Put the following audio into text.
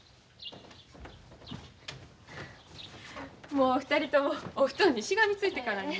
もう２人ともお布団にしがみついてからに。